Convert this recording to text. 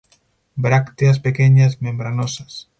Brácteas pequeñas, membranosas.